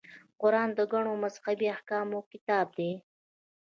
قران د ګڼو مذهبي احکامو کتاب دی.